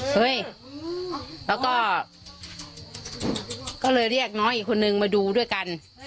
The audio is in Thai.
เฮ้ยแล้วก็ก็เลยเรียกน้องอีกคนนึงมาดูด้วยกัน